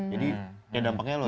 jadi dampaknya luar biasa